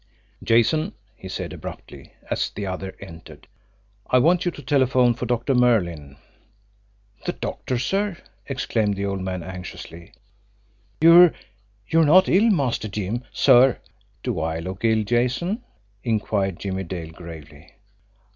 "Jason," he said abruptly, as the other entered, "I want you to telephone for Doctor Merlin." "The doctor, sir!" exclaimed the old man anxiously. "You're you're not ill, Master Jim, sir?" "Do I look ill, Jason?" inquired Jimmie Dale gravely.